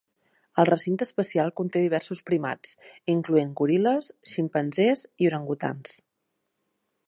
El recinte especial conté diversos primats, incloent goril·les, ximpanzés i orangutans.